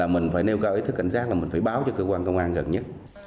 mình phải nêu cao ý thức cảnh giác là mình phải báo cho cơ quan công an gần nhất